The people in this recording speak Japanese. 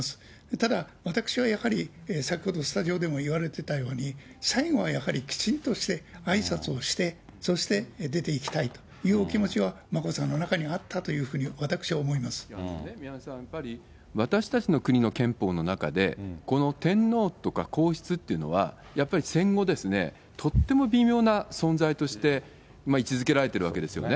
ただ、私はやはり、先ほどスタジオでも言われてたように、最後はやはり、きちんとしてあいさつをして、そして出ていきたいというお気持ちが眞子さんの中にあったという宮根さん、やっぱり私たちの国の憲法の中で、この天皇とか皇室というのは、やっぱり戦後ですね、とっても微妙な存在として位置づけられてるわけですよね。